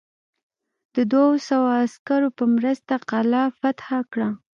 د دوه سوه عسکرو په مرسته قلا فتح کړه.